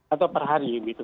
atau per hari begitu